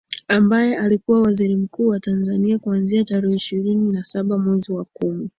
ambaye alikuwa Waziri Mkuu wa Tanzania kuanzia tarehe ishirini na saba mwezi wa kumi